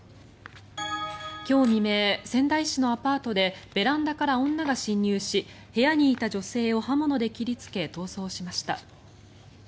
今日未明、仙台市のアパートでベランダから女が侵入し部屋にいた女性を刃物で切りつけ逃走しました。